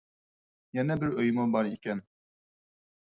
يەنە بىر ئۆيمۇ بار ئىكەن.